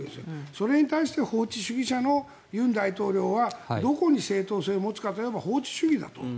それに対して法治主義者の尹大統領はどこに正当性を持つかといえば法治主義だと。